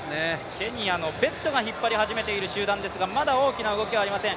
ケニアのベットが引っ張り始めている先団ですが、まだ動きはありません。